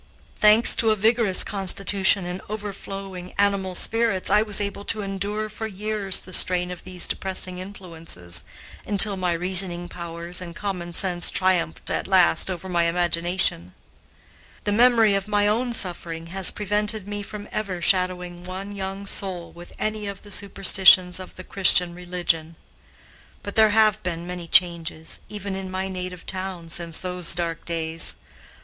Thanks to a vigorous constitution and overflowing animal spirits, I was able to endure for years the strain of these depressing influences, until my reasoning powers and common sense triumphed at last over my imagination. The memory of my own suffering has prevented me from ever shadowing one young soul with any of the superstitions of the Christian religion. But there have been many changes, even in my native town, since those dark days.